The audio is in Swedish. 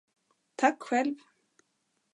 Tack själv.